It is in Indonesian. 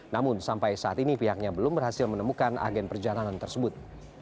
namun sampai saat ini pihaknya belum berhasil menemukan agen perjalanan tersebut